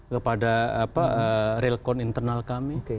kepada real count internal kami